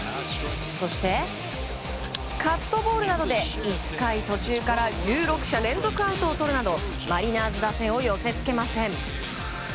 そしてカットボールなどで１回から１６者連続アウトをとるなどマリナーズ打線を寄せ付けません。